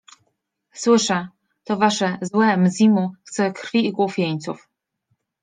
- Słyszę! — to wasze »złe Mzimu« chce krwi i głów jeńców.